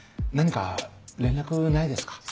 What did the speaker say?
何か連絡ないですか？